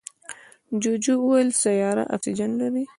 جوجو وویل سیاره اکسیجن لري.